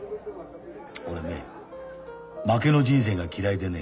俺ね負けの人生が嫌いでね。